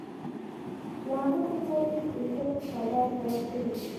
له هغه څخه یې شپېته لکه کلدارې طلب کړې.